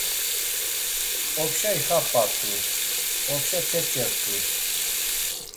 Opşa ixap̌at̆u, opşa ç̌eç̌e rt̆u.